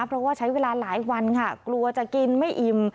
เพราะว่าใช้เวลาหลายวันค่ะกลัวจะกินไม่อิ่ม